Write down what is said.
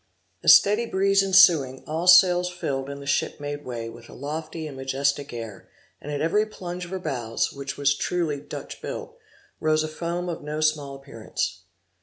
A steady breeze ensuing, all sails filled and the ship made way, with a lofty and majestic air; and at every plunge of her bows, which was truly Dutch built, rose a foam of no small appearance.